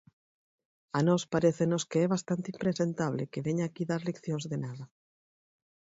A nós parécenos que é bastante impresentable que veña aquí dar leccións de nada.